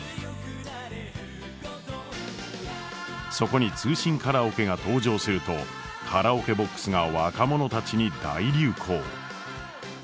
そこに通信カラオケが登場するとカラオケボックスが若者たちに大流行。